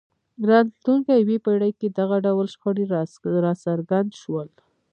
راتلونکې یوې پېړۍ کې دغه ډول شخړې راڅرګند شول.